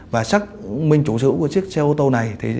và xác minh chủ sữ của chiếc xe ô tô này